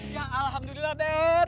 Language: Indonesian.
ya alhamdulillah dan